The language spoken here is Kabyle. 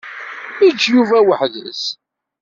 Eǧǧ Yuba weḥd-s.